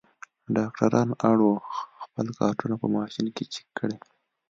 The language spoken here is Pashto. ډاکټران اړ وو خپل کارټونه په ماشین کې چک کړي.